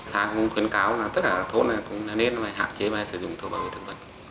xã cũng khuyến cáo tất cả thôn nên hạn chế sử dụng thuốc bảo vệ thực vật